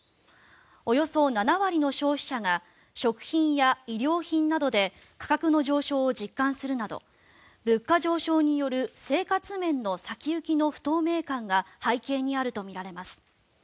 およそ７割の消費者が食品や衣料品などで価格の上昇を実感するなど物価上昇による生活面の先行きの不透明感が背景にあるとみられます。